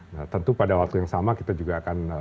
nah tentu pada waktu yang sama kita juga akan